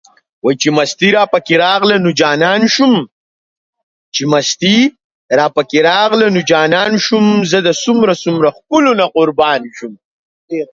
The unincorporated community of Allen's Grove is also located partially in the town.